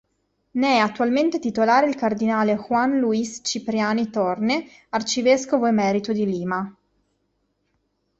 Ne è attualmente titolare il cardinale Juan Luis Cipriani Thorne, arcivescovo emerito di Lima.